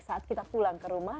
saat kita pulang ke rumah